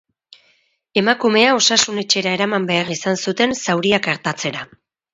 Emakumea osasun-etxera eraman behar izan zuten zauriak artatzera.